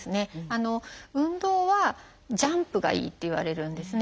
運動はジャンプがいいっていわれるんですね。